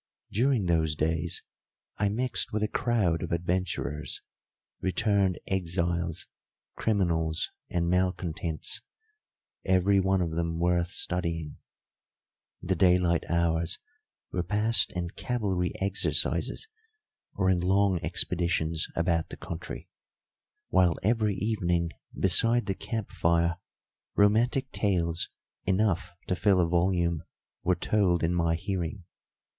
During those days I mixed with a crowd of adventurers, returned exiles, criminals, and malcontents, every one of them worth studying; the daylight hours were passed in cavalry exercises or in long expeditions about the country, while every evening beside the camp fire romantic tales enough to fill a volume were told in my hearing.